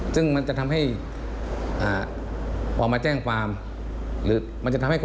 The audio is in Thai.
ซึ่งมันจะทำให้